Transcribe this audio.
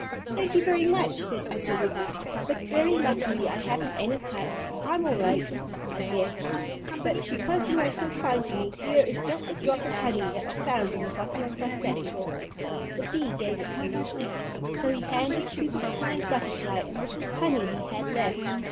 "Thank you very much," said Uncle Wiggily, "but very luckily I haven't any cuts. I'm all right, I guess, but because you are so kind to me here is just a drop of honey that I found in the bottom of my satchel. The bee gave it to me." So he handed to the kind butterfly a little honey he had left.